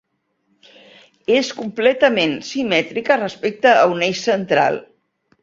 És completament simètrica respecte a un eix central.